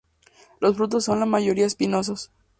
Los frutos son la mayoría espinosos.